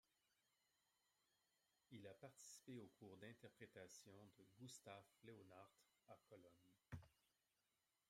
Il a participé aux cours d’interprétation de Gustav Leonhardt à Cologne.